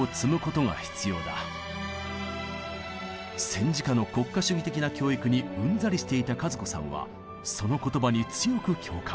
戦時下の国家主義的な教育にうんざりしていた和子さんはその言葉に強く共感。